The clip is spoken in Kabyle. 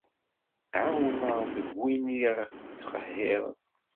Ɛiwen-aɣ deg win i ɣ-ittqehhiren.